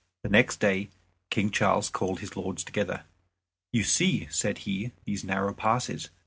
The next day King Charles called his lords together. "You see," said he, "these narrow passes.